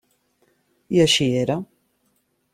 I així era.